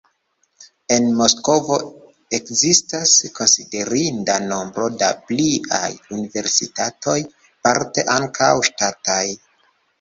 En Moskvo ekzistas konsiderinda nombro da pliaj universitatoj, parte ankaŭ ŝtataj.